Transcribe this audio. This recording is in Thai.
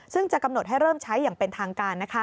ซึ่งจะกำหนดให้เริ่มใช้อย่างเป็นทางการ